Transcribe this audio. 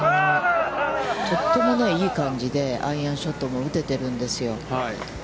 とってもいい感じでアイアンショットも打てているんですよ。